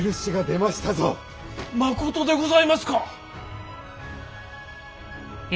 まことでございますか！